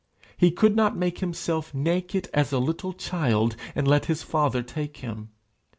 He could not make himself naked as a little child and let his Father take him!